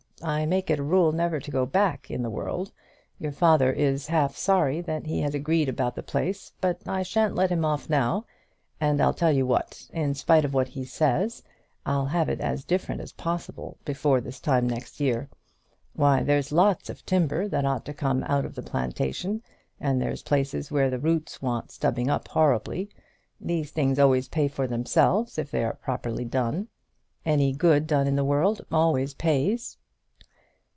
I make it a rule never to go back in the world. Your father is half sorry that he has agreed about the place; but I shan't let him off now. And I'll tell you what. In spite of what he says, I'll have it as different as possible before this time next year. Why, there's lots of timber that ought to come out of the plantation; and there's places where the roots want stubbing up horribly. These things always pay for themselves if they are properly done. Any good done in the world always pays."